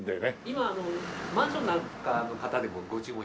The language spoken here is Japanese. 今マンションなんかの方でもご注文頂きます。